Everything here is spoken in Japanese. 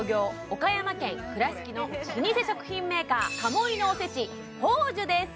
岡山県倉敷の老舗食品メーカーカモ井のおせち宝寿です